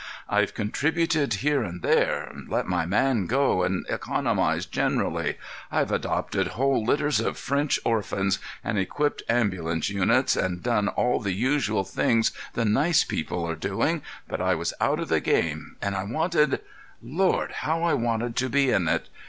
I've contributed here and there, let my man go, and economized generally. I've adopted whole litters of French orphans, and equipped ambulance units, and done all the usual things the nice people are doing, but I was out of the game, and I wanted—Lord! how I wanted to be in it!